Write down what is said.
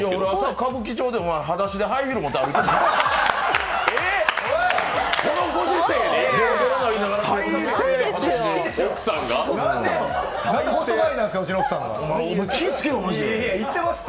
朝、歌舞伎町ではだしでハイヒール持って歩いてた。